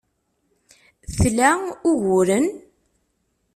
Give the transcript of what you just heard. Tla uguren?